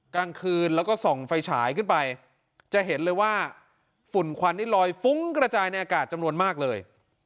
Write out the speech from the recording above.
กลางคืนแล้วก็ส่องไฟฉายขึ้นไปจะเห็นเลยว่าฝุ่นควันนี่ลอยฟุ้งกระจายในอากาศจำนวนมากเลย